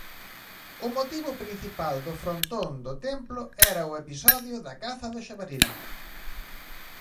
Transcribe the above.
O motivo principal do frontón do templo era o episodio da caza do xabaril.